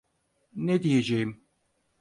Ne diyeceğim…